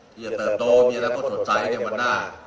ที่จะเติบโดยมีอะไรก็สนใจให้เยี่ยมวันหน้า